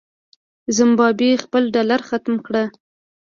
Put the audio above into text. زمبابوې خپل ډالر ختم کړ.